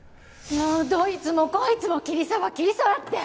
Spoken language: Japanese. もうどいつもこいつも桐沢桐沢って！